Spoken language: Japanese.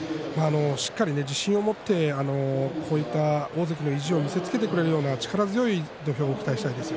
しっかり自信を持って大関の意地を見せつけてくれるような力強い土俵を期待したいです。